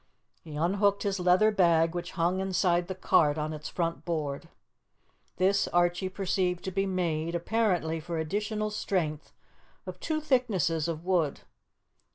He unhooked his leather bag, which hung inside the cart on its front board. This Archie perceived to be made, apparently for additional strength, of two thicknesses of wood.